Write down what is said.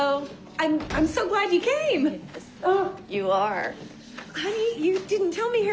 ああ。